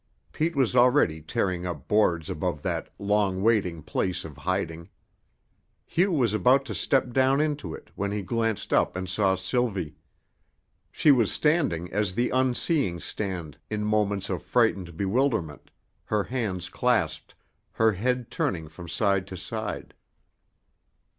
Pete was already tearing up boards above that long waiting place of hiding. Hugh was about to step down into it when he glanced up and saw Sylvie. She was standing as the unseeing stand in moments of frightened bewilderment, her hands clasped, her head turning from side to side.